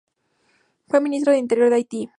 Fue ministro del Interior de Haití.